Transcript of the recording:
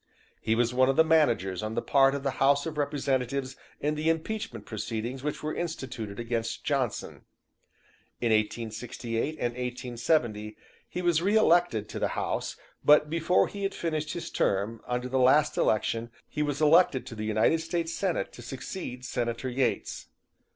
He was one of the managers on the part of the House of Representatives in the impeachment proceedings which were instituted against Johnson. In 1868 and 1870 he was re elected to the House, but before he had finished his term under the last election he was elected to the United States Senate to succeed Senator Yates.